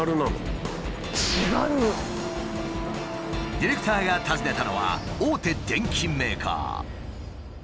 ディレクターが訪ねたのは大手電機メーカー。